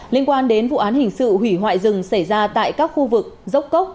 liên quan đến vụ án hình sự hủy hoại rừng xảy ra tại các khu vực dốc cốc